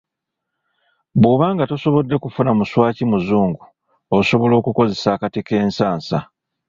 Bw'oba nga tosobodde kufuna muswaki muzungu, osobola okukozesa akati k'ensasa.